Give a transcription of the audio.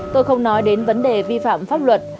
tôi không nói đến vấn đề vi phạm pháp luật